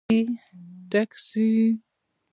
🚖 ټکسي